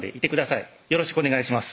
よろしくお願いします